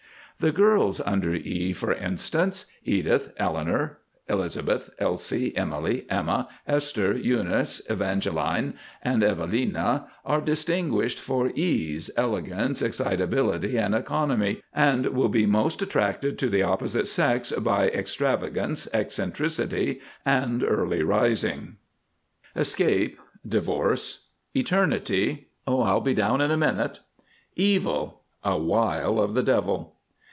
The girls under E, for instance, Edith, Eleanor, Elizabeth, Elsie, Emily, Emma, Esther, Eunice, Evangeline, and Evelina, are distinguished for Ease, Elegance, Excitability, and Economy, and will be most attracted in the opposite sex by Extravagance, Eccentricity, and Earlyrising. ESCAPE. Divorce. ETERNITY. "I'll be down in a minute." EVIL. A wile of the devil.